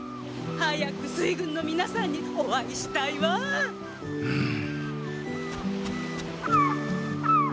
早く水軍のみなさんにお会いしたいわ。ん。